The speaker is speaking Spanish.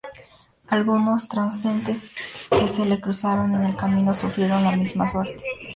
Algunos transeúntes que se les cruzaron en el camino sufrieron la misma suerte.